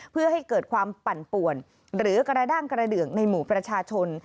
เพื่อให้เกิดความปั่นป่วนหรือกระด้างกระเดืองในหมู่ประชาชน